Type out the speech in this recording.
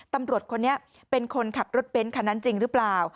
ตำรวจคนนี้เป็นคนขับรถเบ้นคันนั้นจริงหรือเปล่า